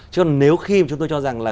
chứ nếu khi chúng tôi cho rằng là